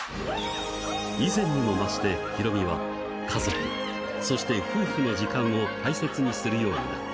以前にも増してヒロミは家族、そして夫婦の時間を大切にするようになった。